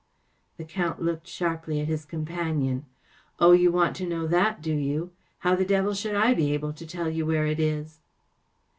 ‚ÄĚ The Count looked sharply at his com¬ panion. 44 Oh, you want to know that, do you ? How the devil should I be able to tell you where it is